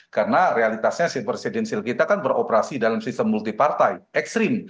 karena realitasnya hak prerogatif presiden dalam konteks itu beroperasi dalam sistem multi partai ekstrim